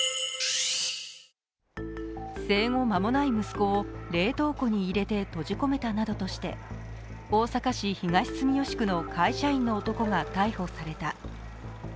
生後間もない息子を冷凍庫に入れて閉じ込めたなどとして大阪市東住吉区の会社員の男が逮捕された。